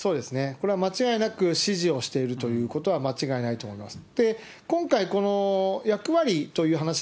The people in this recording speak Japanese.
これは間違いなく、指示をしているということは間違いないと思います。